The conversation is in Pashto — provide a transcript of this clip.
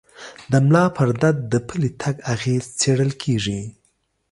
د ملا پر درد د پلي تګ اغېز څېړل کېږي.